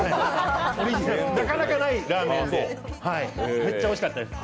なかなかないラーメンでめっちゃおいしかったです。